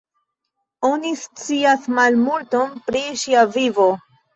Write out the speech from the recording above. Oni scias malmulton pri ŝia vivo.